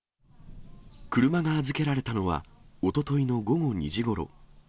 車が預けられたのは、おとといの午後２時ごろ。